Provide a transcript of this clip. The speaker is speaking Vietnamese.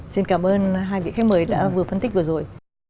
xin cảm ơn hai vị khách mời đã vừa phân tích vừa rồi